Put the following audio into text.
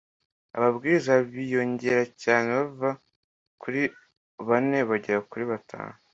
ababwiriza biyongera cyane bava kuri bane bagera kuri batanu